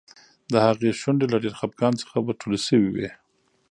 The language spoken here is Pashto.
د هغې شونډې له ډېر خپګان څخه ورټولې شوې وې.